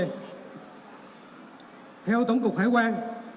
theo tổng cục hải quan